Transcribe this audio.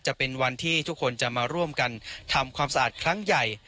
จะเป็นวันที่ทุกคนจะมาร่วมกันทำความสะอาดครั้งใหญ่